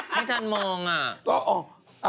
ไม่ทันมองอ่ะ